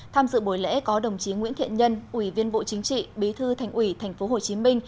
tham dự buổi lễ có đồng chí nguyễn thiện nhân ủy viên bộ chính trị bí thư thành ủy tp hcm